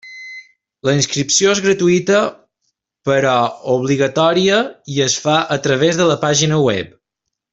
La inscripció és gratuïta però obligatòria i es fa a través de la pàgina web.